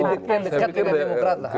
ya ini yang dekat dengan demokrat lah